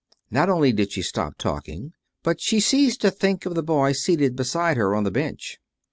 Not only did she stop talking, but she ceased to think of the boy seated beside her on the bench.